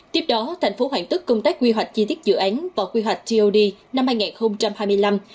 tiếp đó thành phố hoàn tất công tác quy hoạch chi tiết dự án và quy hoạch tod năm hai nghìn hai mươi năm